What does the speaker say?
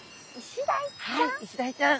はいイシダイちゃん！